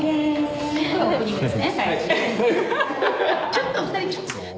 ちょっと２人。